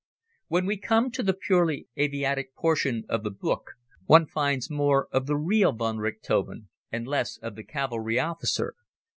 When we come to the purely aviatic portion of the book one finds more of the real von Richthofen and less of the cavalry officer.